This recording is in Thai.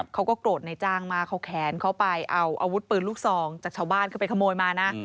เขาก็โกรธในจ้างมากเขาแขนเขาไปเอาอาวุธปืนลูกซองจากชาวบ้านคือไปขโมยมานะ